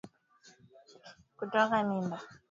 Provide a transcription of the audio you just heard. Kutoka mimba